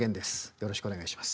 よろしくお願いします。